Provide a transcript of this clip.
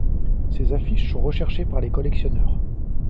Ses affiches sont recherchées par les collectionneurs.